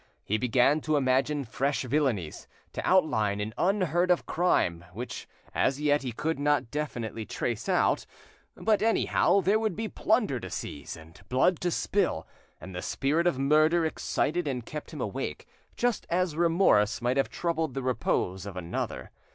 He began to imagine fresh villanies, to outline an unheard of crime, which as yet he could not definitely trace out; but anyhow there would be plunder to seize and blood to spill, and the spirit of murder excited and kept him awake, just as remorse might have troubled the repose of another.